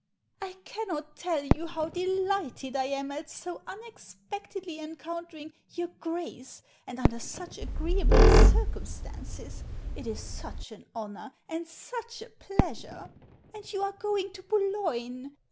1 cannot tell you how delighted I am at so un expectedly encountering your Grace, and under such agreeable circumstances. It is such an honour, and such a pleasure. And you are going to Boulogne?